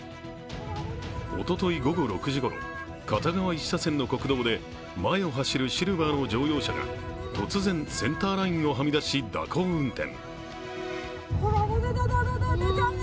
おととい午後６時ごろ、片側１車線の国道で前を走るシルバーの乗用車が突然、センターラインをはみ出し蛇行運転。